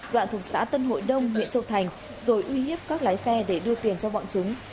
đoạn thuộc xã tân hội đông huyện châu thành rồi uy hiếp các lái xe để đưa tiền cho bọn chúng